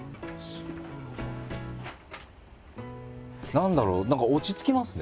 何だろう何か落ち着きますね。